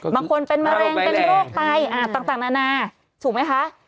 บางคนเป็นมะเร็งเป็นโรคไตต่างนานาถูกไหมคะ